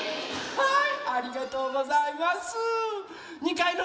はい！